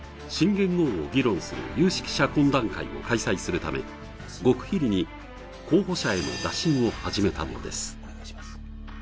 新元号を議論する有識者懇談会を開催するため極秘裏に候補者への打診を始めたのです